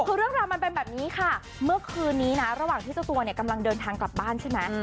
คือเรื่องราวมันเป็นแบบนี้ค่ะเมื่อคืนนี้นะระหว่างที่เจ้าตัวเนี่ยกำลังเดินทางกลับบ้านใช่ไหม